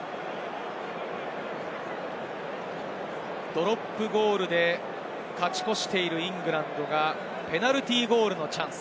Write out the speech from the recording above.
ドロップゴールで勝ち越しているイングランドがペナルティーゴールのチャンス。